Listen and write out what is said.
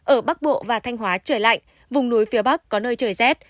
ở bắc bộ và thanh hóa trời lạnh vùng núi phía bắc có nơi trời rét